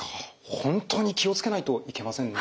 本当に気を付けないといけませんね。